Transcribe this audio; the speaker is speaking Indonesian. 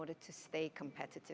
agar bisa tetap kompetitif